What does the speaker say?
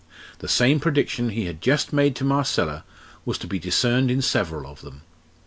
The same prediction he had just made to Marcella was to be discerned in several of them.